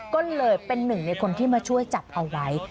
ก็เลยเป็นหนึ่งในคนที่มาช่วยจับเอาไว้